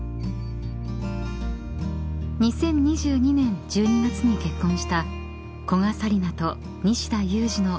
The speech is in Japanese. ［２０２２年１２月に結婚した古賀紗理那と西田有志のビッグカップル］